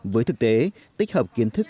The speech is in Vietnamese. với thực tế tích hợp kiến thức